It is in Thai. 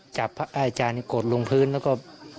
พระอาจารย์นี่กดลงพื้นแล้วก็